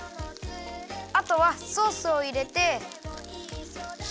あとはソースをいれて。